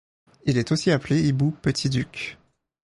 Il est aussi appelé Hibou petit-duc.